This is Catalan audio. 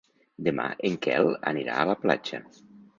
Demà en Quel anirà a la platja.